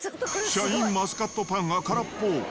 シャインマスカットパンが空っぽ。